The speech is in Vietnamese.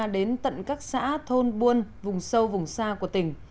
đến tận các xã thôn buôn vùng sâu vùng xa của tỉnh